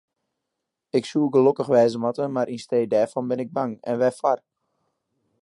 Ik soe gelokkich wêze moatte, mar yn stee dêrfan bin ik bang, en wêrfoar?